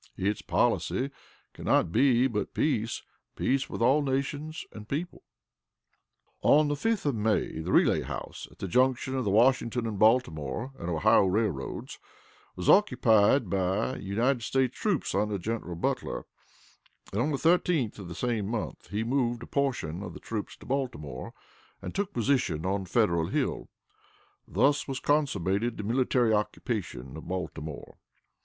Its policy can not but be peace peace with all nations and people." On the 5th of May, the Relay House, at the junction of the Washington and Baltimore and Ohio Railroads, was occupied by United States troops under General Butler, and, on the 13th of the same month, he moved a portion of the troops to Baltimore, and took position on Federal Hill thus was consummated the military occupation of Baltimore.